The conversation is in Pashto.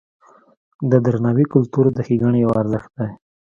د درناوي کلتور د ښېګڼې یو ارزښت دی.